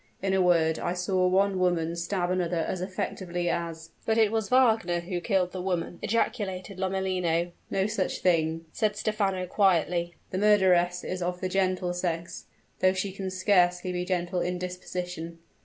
In a word, I saw one woman stab another as effectually as " "But it was Wagner who killed the woman!" ejaculated Lomellino. "No such thing," said Stephano quietly. "The murderess is of the gentle sex though she can scarcely be gentle in disposition.